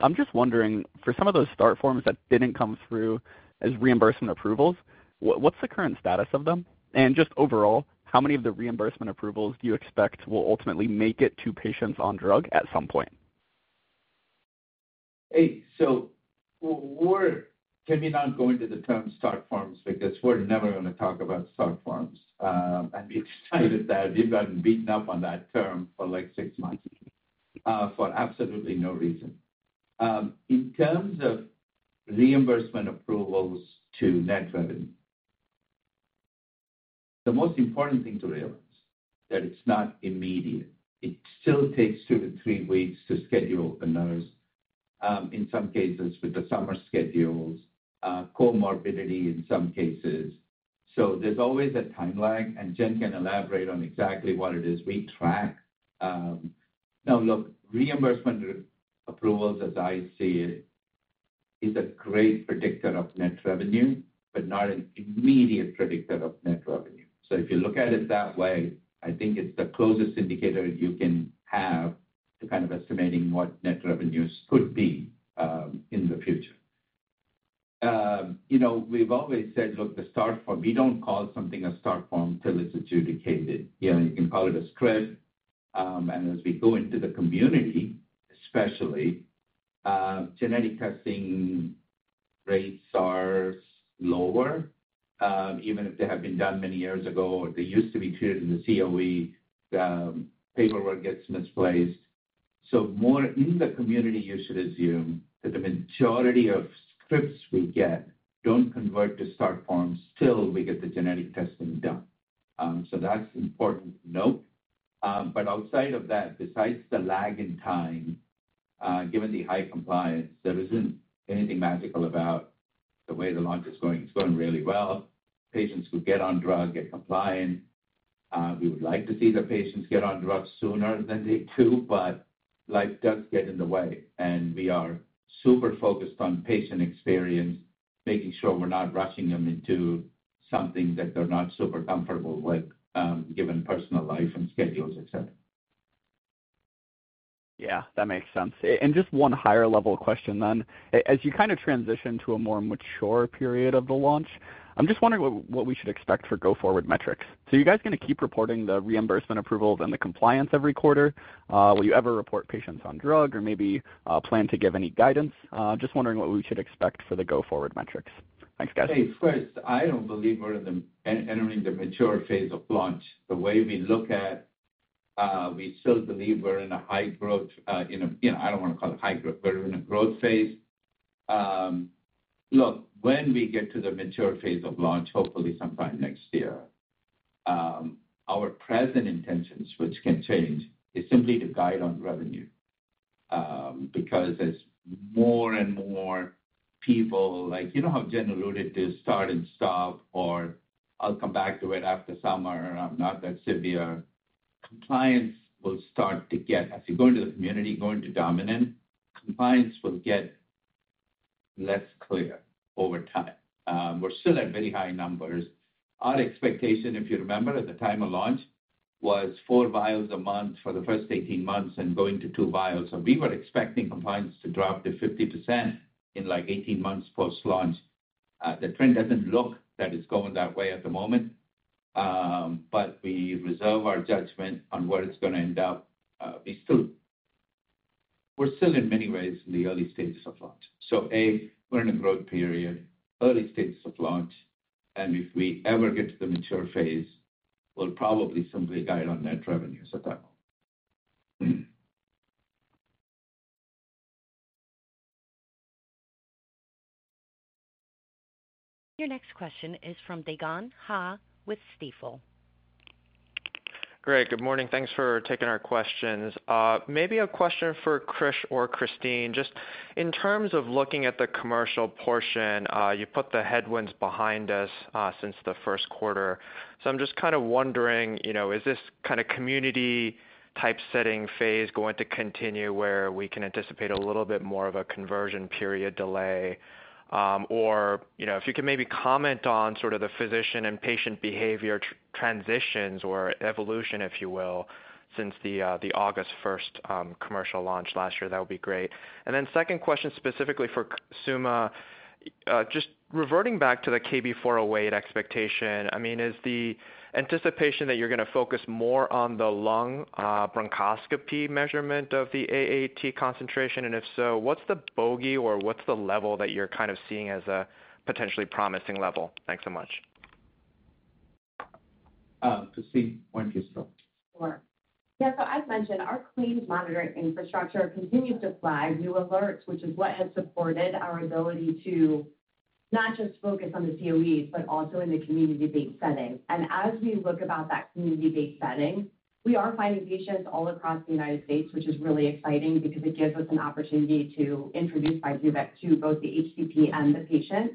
I'm just wondering, for some of those start forms that didn't come through as reimbursement approvals, what's the current status of them? And just overall, how many of the reimbursement approvals do you expect will ultimately make it to patients on drug at some point? Hey, so, can we not go into the term start forms? Because we're never gonna talk about start forms. And be excited that we've gotten beaten up on that term for, like, 6 months, for absolutely no reason. In terms of reimbursement approvals to net revenue, the most important thing to realize, that it's not immediate. It still takes 2-3 weeks to schedule openers, in some cases with the summer schedules, comorbidity in some cases. So there's always a timeline, and Jen can elaborate on exactly what it is we track. Now, look, reimbursement approvals, as I see it, is a great predictor of net revenue, but not an immediate predictor of net revenue. So if you look at it that way, I think it's the closest indicator you can have to kind of estimating what net revenues could be, in the future. You know, we've always said, look, the start form, we don't call something a start form till it's adjudicated. You know, you can call it a script. And as we go into the community, especially, genetic testing rates are lower, even if they have been done many years ago, or they used to be cleared in the CoE, paperwork gets misplaced. So more in the community, you should assume that the majority of scripts we get don't convert to start forms till we get the genetic testing done. So that's important to note. But outside of that, besides the lag in time, given the high compliance, there isn't anything magical about the way the launch is going. It's going really well. Patients who get on drug get compliant. We would like to see the patients get on drug sooner than they do, but life does get in the way, and we are super focused on patient experience, making sure we're not rushing them into something that they're not super comfortable with, given personal life and schedules, et cetera. Yeah, that makes sense. And just one higher level question then. As you kind of transition to a more mature period of the launch, I'm just wondering what, what we should expect for go-forward metrics. So are you guys gonna keep reporting the reimbursement approvals and the compliance every quarter? Will you ever report patients on drug or maybe plan to give any guidance? Just wondering what we should expect for the go-forward metrics. Thanks, guys. Hey, first, I don't believe we're entering the mature phase of launch. The way we look at, we still believe we're in a high growth, in a, you know, I don't wanna call it high growth, we're in a growth phase. Look, when we get to the mature phase of launch, hopefully sometime next year, our present intentions, which can change, is simply to guide on revenue, because as more and more people- like, you know how Jen alluded this, start and stop, or I'll come back to it after summer, and I'm not that severe. Compliance will start to get, as you go into the community, go into dominant, compliance will get less clear over time. We're still at very high numbers. Our expectation, if you remember, at the time of launch, was 4 vials a month for the first 18 months and going to 2 vials. So we were expecting compliance to drop to 50% in, like, 18 months post-launch. The trend doesn't look like it's going that way at the moment, but we reserve our judgment on where it's gonna end up. We're still, in many ways, in the early stages of launch. So A, we're in a growth period, early stages of launch, and if we ever get to the mature phase, we'll probably simply guide on net revenue at that time. Your next question is from Dae Gon Ha with Stifel. Great, good morning. Thanks for taking our questions. Maybe a question for Krish or Christine. Just in terms of looking at the commercial portion, you put the headwinds behind us since the first quarter. So I'm just kind of wondering, you know, is this kind of community type setting phase going to continue where we can anticipate a little bit more of a conversion period delay? Or, you know, if you could maybe comment on sort of the physician and patient behavior transitions or evolution, if you will, since the August first commercial launch last year, that would be great. And then second question specifically for Suma. Just reverting back to the KB408 expectation. I mean, is the anticipation that you're gonna focus more on the lung bronchoscopy measurement of the AAT concentration? And if so, what's the bogey, or what's the level that you're kind of seeing as a potentially promising level? Thanks so much. To see; why. Sure. Yeah, so as mentioned, our claims monitoring infrastructure continues to flag new alerts, which is what has supported our ability to not just focus on the CoEs, but also in the community-based setting. And as we look about that community-based setting, we are finding patients all across the United States, which is really exciting because it gives us an opportunity to introduce VYJUVEK to both the HCP and the patient.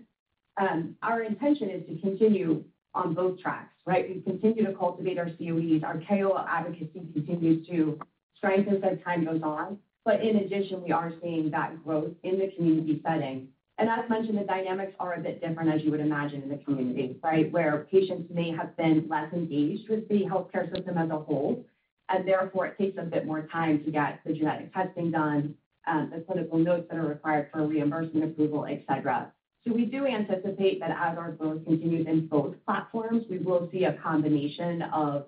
Our intention is to continue on both tracks, right? We continue to cultivate our CoEs. Our KOL advocacy continues to strengthen as time goes on. But in addition, we are seeing that growth in the community setting. And as mentioned, the dynamics are a bit different, as you would imagine, in the community, right? Where patients may have been less engaged with the healthcare system as a whole, and therefore it takes a bit more time to get the genetic testing done, the clinical notes that are required for reimbursement, approval, et cetera. So we do anticipate that as our growth continues in both platforms, we will see a combination of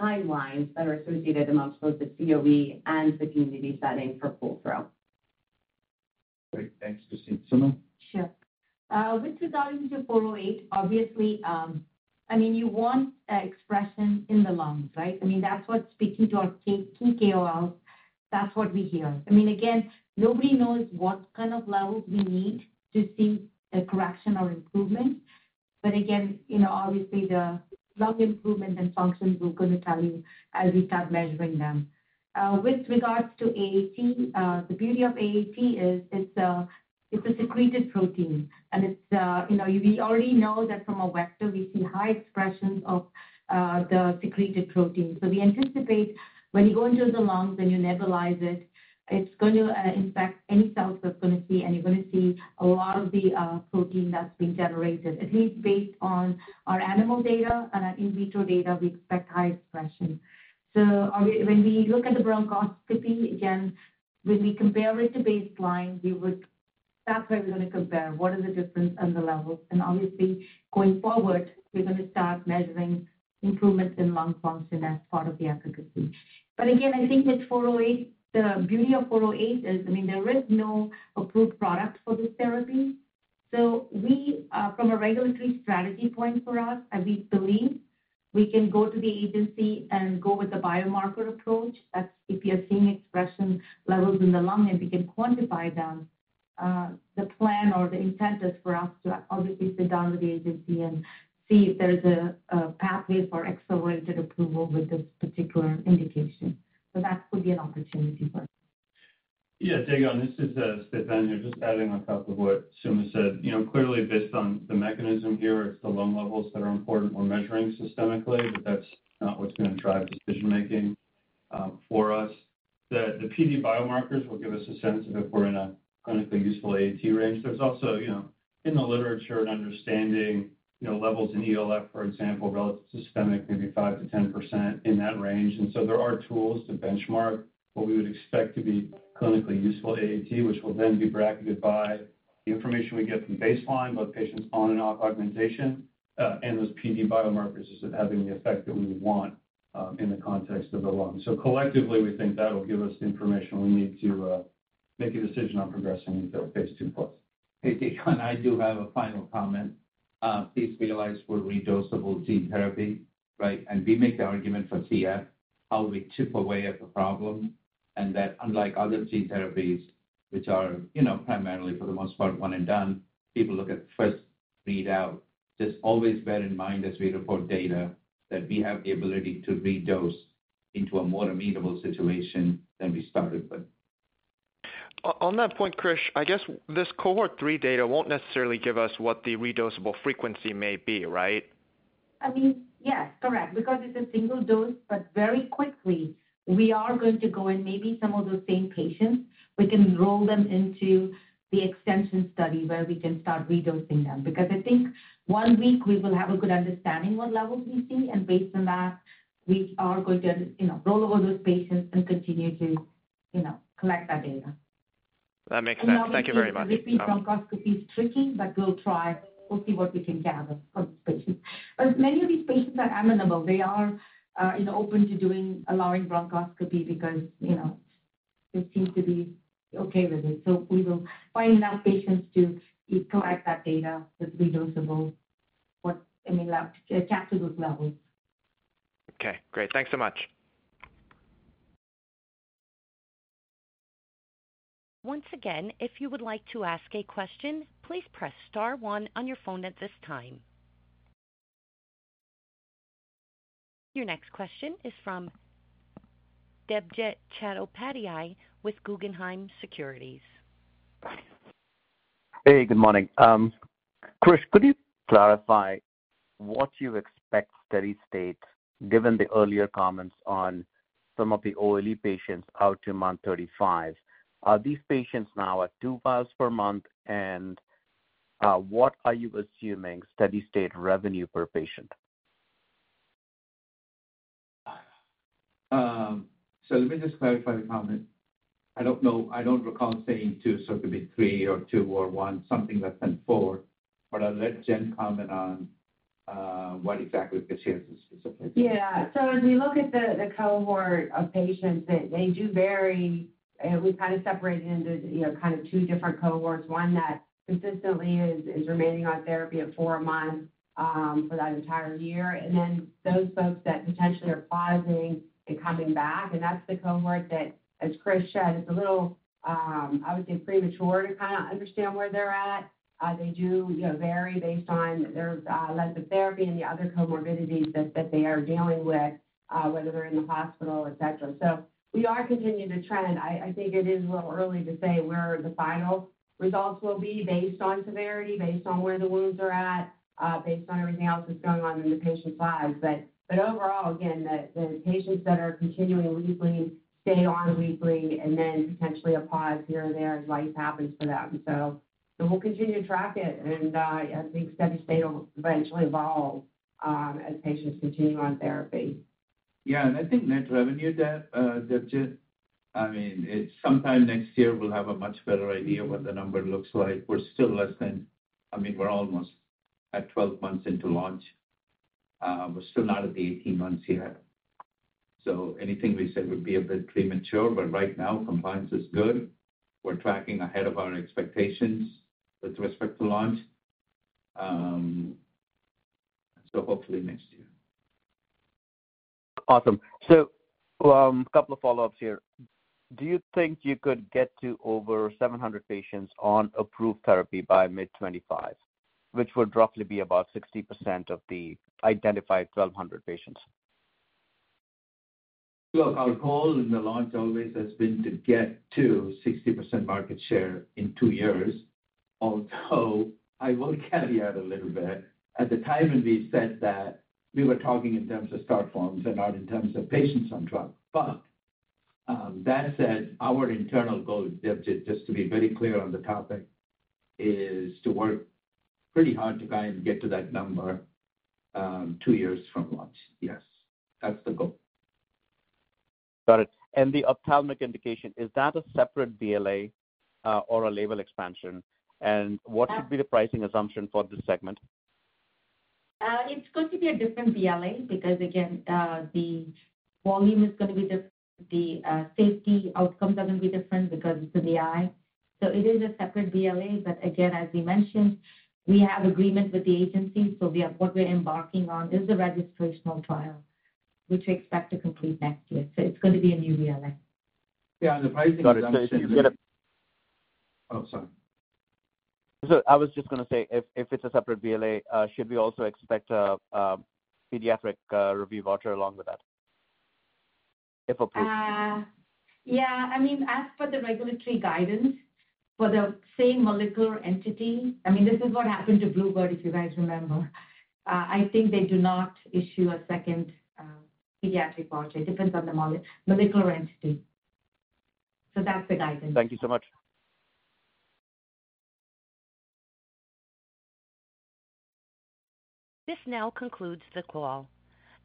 timelines that are associated amongst both the CoE and the community setting for pull-through. Great, thanks. To Suma? Sure. With regards to 408, obviously, I mean, you want expression in the lungs, right? I mean, that's what's speaking to our key KOLs. That's what we hear. I mean, again, nobody knows what kind of levels we need to see a correction or improvement. But again, you know, obviously the lung improvement and functions, we're gonna tell you as we start measuring them. With regards to AAT, the beauty of AAT is, it's a, it's a secreted protein, and it's, you know, we already know that from a vector, we see high expressions of the secreted protein. So we anticipate when you go into the lungs and you nebulize it, it's going to infect any cells that's gonna see, and you're gonna see a lot of the protein that's being generated, at least based on our animal data and our in vitro data, we expect high expression. So when we look at the bronchoscopy, again, when we compare it to baseline, we would- that's where we're gonna compare what is the difference in the levels. And obviously, going forward, we're gonna start measuring improvements in lung function as part of the efficacy. But again, I think with 408, the beauty of 408 is, I mean, there is no approved product for this therapy. So we from a regulatory strategy point for us, as we believe, we can go to the agency and go with the biomarker approach. That's if you are seeing expression levels in the lung and we can quantify them, the plan or the incentive for us to obviously sit down with the agency and see if there's a pathway for accelerated approval with this particular indication. So that could be an opportunity for us. Yeah, Dae Gon, This is Stéphane here, just adding on top of what Suma said. You know, clearly based on the mechanism here, it's the lung levels that are important. We're measuring systemically, but that's not what's gonna drive decision-making for us. The PD biomarkers will give us a sense of if we're in a clinically useful AAT range. There's also, you know, in the literature and understanding, you know, levels in ELF, for example, relative systemic, maybe 5%-10% in that range. And so there are tools to benchmark what we would expect to be clinically useful AAT, which will then be bracketed by the information we get from baseline, both patients on and off augmentation, and those PD biomarkers as of having the effect that we would want in the context of the lung. So collectively, we think that will give us the information we need to make a decision on progressing into a phase II plus. Hey, Dae Gon, I do have a final comment. Please realize we're redosable gene therapy, right? And we make the argument for CF, how we chip away at the problem, and that unlike other gene therapies, which are, you know, primarily, for the most part, one and done, people look at first read out. Just always bear in mind as we report data, that we have the ability to redose into a more amenable situation than we started with. On that point, Krish, I guess this Cohort 3 data won't necessarily give us what the redosable frequency may be, right? I mean, yes, correct, because it's a single dose, but very quickly, we are going to go in maybe some of those same patients. We can enroll them into the extension study where we can start redosing them, because I think one week we will have a good understanding what levels we see, and based on that, we are going to, you know, roll over those patients and continue to, you know, collect that data. That makes sense. Thank you very much. Bronchoscopy is tricky, but we'll try. We'll see what we can gather from patients. But many of these patients are amenable. They are, you know, open to doing, allowing bronchoscopy because, you know, they seem to be okay with it. So we will find enough patients to collect that data with redosable; what, I mean, capture those levels. Okay, great. Thanks so much. Once again, if you would like to ask a question, please press star one on your phone at this time. Your next question is from Debjit Chattopadhyay with Guggenheim Securities. Hey, good morning. Krish, could you clarify what you expect steady state, given the earlier comments on some of the OLE patients out to month 35? Are these patients now at two vials per month, and what are you assuming steady-state revenue per patient? So let me just clarify the comment. I don't know, I don't recall saying two, so it could be three or two or one, something less than four. But I'll let Jen comment on what exactly the share is specifically. Yeah. So as we look at the cohort of patients, they do vary, and we've kind of separated into, you know, kind of two different cohorts. One that consistently is remaining on therapy at four months for that entire year, and then those folks that potentially are pausing and coming back. And that's the cohort that, as Krish said, it's a little premature to kinda understand where they're at. They do, you know, vary based on their length of therapy and the other comorbidities that they are dealing with, whether they're in the hospital, et cetera. So we are continuing to trend. I think it is a little early to say where the final results will be based on severity, based on where the wounds are at, based on everything else that's going on in the patient's lives. But overall, again, the patients that are continuing weekly stay on weekly and then potentially a pause here and there as life happens for them. So we'll continue to track it, and I think steady state will eventually evolve, as patients continue on therapy. Yeah, and I think net revenue there, Debjit, I mean, it's sometime next year we'll have a much better idea what the number looks like. We're still less than—I mean, we're almost at 12 months into launch. We're still not at the 18 months yet. So anything we said would be a bit premature, but right now, compliance is good. We're tracking ahead of our expectations with respect to launch. So hopefully next year. Awesome. So, couple of follow-ups here. Do you think you could get to over 700 patients on approved therapy by mid-2025, which would roughly be about 60% of the identified 1,200 patients? Look, our goal in the launch always has been to get to 60% market share in two years. Although, I will caveat a little bit. At the time when we said that, we were talking in terms of start forms and not in terms of patients on track. But, that said, our internal goal, Debjit, just to be very clear on the topic, is to work pretty hard to try and get to that number, two years from launch. Yes, that's the goal. Got it. And the ophthalmic indication, is that a separate BLA, or a label expansion? And what should be the pricing assumption for this segment? It's going to be a different BLA because, again, the volume is gonna be different, the safety outcome is gonna be different because it's the eye. So it is a separate BLA, but again, as we mentioned, we have agreement with the agency, so we have- what we're embarking on is a registrational trial, which we expect to complete next year. So it's going to be a new BLA. Yeah, and the pricing- Oh, sorry. So I was just gonna say, if it's a separate BLA, should we also expect a pediatric review voucher along with that, if approved? Yeah. I mean, as for the regulatory guidance for the same molecular entity, I mean, this is what happened to Bluebird, if you guys remember. I think they do not issue a second pediatric voucher. It depends on the molecular entity. So that's the guidance. Thank you so much. This now concludes the call.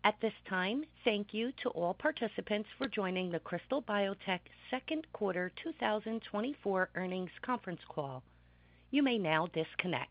At this time, thank you to all participants for joining the Krystal Biotech Second Quarter 2024 Earnings Conference Call. You may now disconnect.